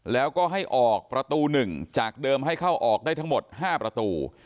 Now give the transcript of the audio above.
แล้วก็ให้ออกประตู๑จากเดิมให้เข้าออกได้ทั้งหมด๕ประตู